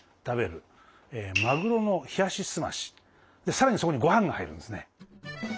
さらにそこにごはんが入るんですね。